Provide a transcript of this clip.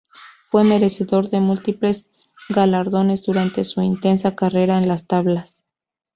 Fue merecedor de múltiples galardones durante su intensa carrera en las tablas.